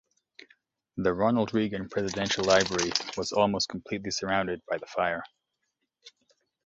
The Ronald Reagan Presidential Library was almost completely surrounded by the fire.